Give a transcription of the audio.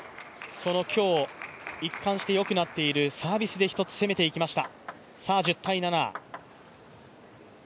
今日、一貫してよくなっているサービスで攻めていきました。